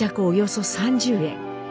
およそ３０円。